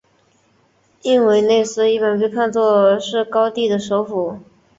印威内斯一般被看作是高地的首府。